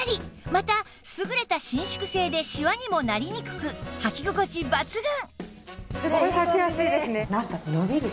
また優れた伸縮性でシワにもなりにくくはき心地抜群！